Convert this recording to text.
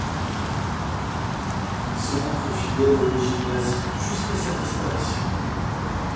Il se montre fidèle au régime nazi jusqu'à sa disparition.